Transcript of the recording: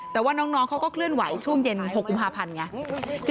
แต่ว่าน้องเขาก็เคลื่อนไหวช่วงเย็น๖กุมภาพันธ์ไง